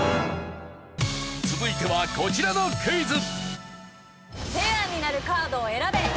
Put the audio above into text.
続いてはこちらのクイズ。